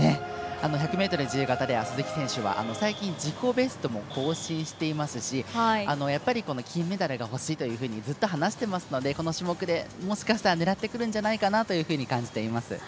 １００ｍ自由形では鈴木選手は最近、自己ベストも更新していますしやっぱり、金メダルが欲しいというふうにずっと話していますのでこの種目でもしかしたら狙ってくるんじゃないかと感じています。